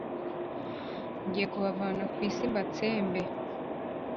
ngiye kubavana ku isi mbatsembe,